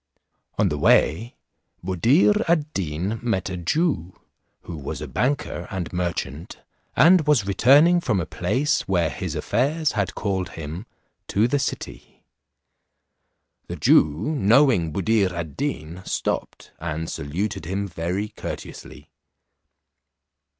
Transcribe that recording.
On the way Buddir ad Deen met a Jew, who was a banker and merchant, and was returning from a place where his affairs had called him, to the city. The Jew, knowing Buddir ad Deen, stopped, and saluted him very courteously.